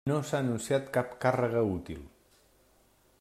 No s'ha anunciat cap càrrega útil.